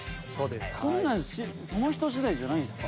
こんなんその人次第じゃないんですか？